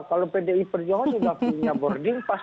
kalau pd perjuangan juga punya boarding pass